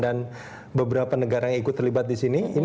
dan beberapa negara yang ikut terlibat disini